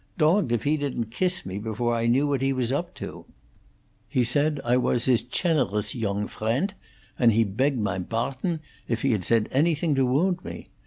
Dogged if he didn't kiss me before I knew what he was up to. He said I was his chenerous gong friendt, and he begged my barton if he had said anything to wound me.